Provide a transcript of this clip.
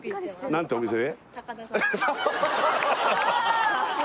何てお店？